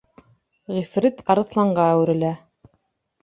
Ғифрит арыҫланға әүерелә: